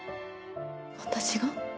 私が？